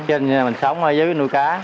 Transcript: trên mình sống ở dưới nuôi cá